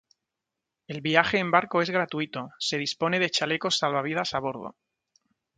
El viaje en barco es gratuito, Se dispone de chalecos salvavidas a bordo.